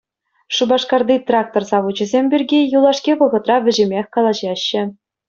Шупашкарти «Трактор савучӗсем» пирки юлашки вӑхӑтра вӗҫӗмех калаҫаҫҫӗ.